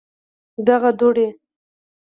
دغه دوړي